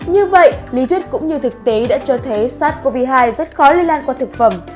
như vậy lý thuyết cũng như thực tế đã cho thấy sars cov hai rất khó lây lan qua thực phẩm